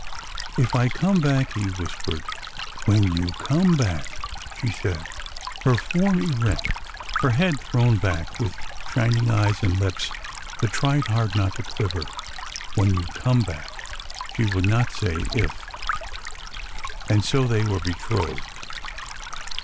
If I come back? " he whispered. When you come back 1 " she said, her form erect, her head thrown back, with shining eyes and lips that tried hard not to quiver. '' When you come back 1 " She would not say if. And so they were betrothed.